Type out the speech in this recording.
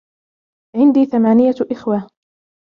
عندي ثمانية إخوة.